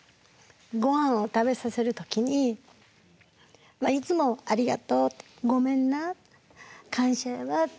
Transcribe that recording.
ごはんを食べさせる時にいつも「ありがとう。ごめんな感謝やわ」って。